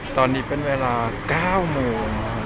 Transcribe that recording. ตอนนี้เป็นเวลา๙โมง